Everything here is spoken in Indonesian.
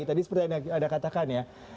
tadi seperti yang anda katakan ya